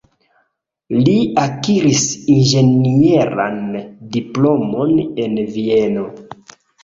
Li akiris inĝenieran diplomon en Vieno.